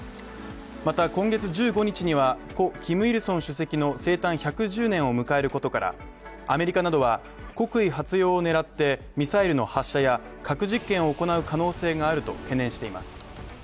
また今月１５日には故キム・イルソン主席の生誕１１０年を迎えることから、アメリカなどは国威発揚を狙って核実験を行う可能性があると懸念しています。